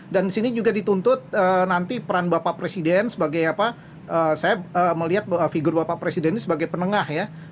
dan di sini juga dituntut nanti peran bapak presiden sebagai saya melihat figur bapak presiden ini sebagai penengah